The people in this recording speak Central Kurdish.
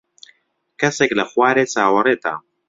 کەسێک لە خوارێ چاوەڕێتە.